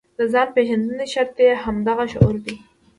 د ځان پېژندنې شرط یې همدغه شعور دی.